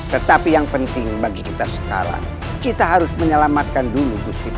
tetapi yang penting bagi kita sekarang kita harus menyelamatkan dulu bus kita